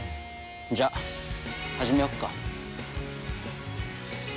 じゃ始めよっか。